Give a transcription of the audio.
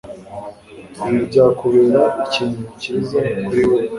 ibi byakubera ikintu cyiza kuri wewe